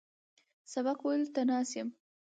سبق ویلو ته ناست یم.